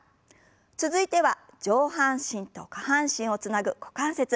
続いては上半身と下半身をつなぐ股関節。